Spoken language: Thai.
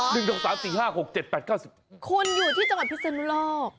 คุณอยู่ที่จังหัวพิเศษรู้หรอก